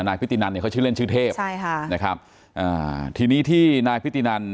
พิธีนันเนี่ยเขาชื่อเล่นชื่อเทพใช่ค่ะนะครับอ่าทีนี้ที่นายพิธีนัน